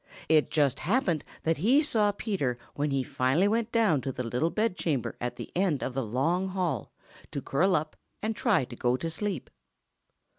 It just happened that he saw Peter when he finally went down to the little bedchamber at the end of the long hall to curl up and try to go to sleep.